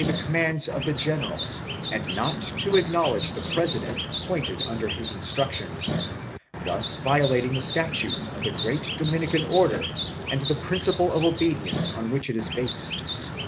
I] EEASSEETION OF ROYAL SUPREMACY 349 commands of the General and not to acknowledge the president appointed under his instructions, thus violating the statutes of the great Dominican Order and the principle of obedience on which it was based.